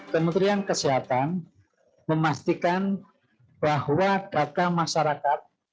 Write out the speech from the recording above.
kementerian kesehatan memastikan bahwa data masyarakat